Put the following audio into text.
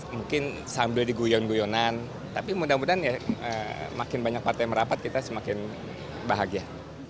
mungkin sambil diguyon guyonan tapi mudah mudahan ya makin banyak partai merapat kita semakin bahagia